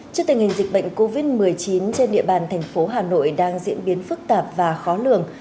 trước tình hình dịch bệnh covid một mươi chín trên địa bàn thành phố hà nội đang diễn biến phức tạp và khó lường